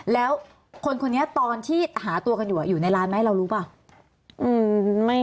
แล้วคนคนนี้ตอนที่หาตัวกันอยู่อยู่ในร้านไหมเรารู้ป่ะ